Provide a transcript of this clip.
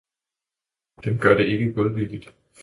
Den gør det ikke godvilligt!